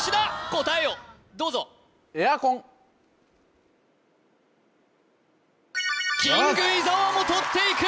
答えをどうぞキング伊沢もとっていく！